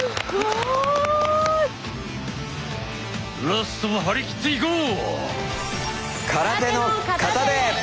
ラストも張り切っていこう！